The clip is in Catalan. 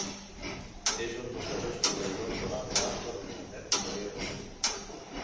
És un dels majors proveïdors de banda ampla d'Internet de Corea del Sud.